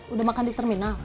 udah makan di terminal